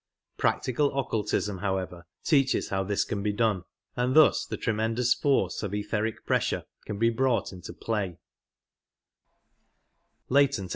Practical Occultism, however, teaches how this can be done, and thus the tremendous force of etheric pressure can be brought into play.